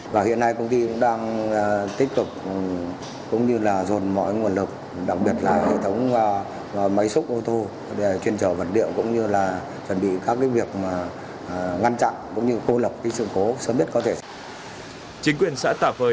chính quyền xã tả phời đã đến làm việc với lãnh đạo công ty cổ phần đồng tả phời